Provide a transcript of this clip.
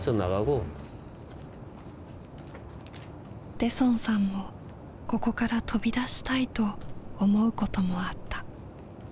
デソンさんもここから飛び出したいと思うこともあった。